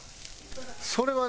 それはね